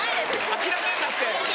諦めるなって！